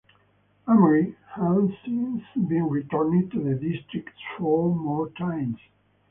Amery has since been returned to the district four more times.